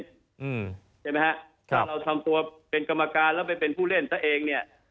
ถ้าเราทำตัวเป็นกรรมการแล้วไปเป็นผู้เล่นเท่าเองเนี่ย